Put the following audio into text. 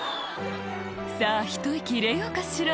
「さぁひと息入れようかしら」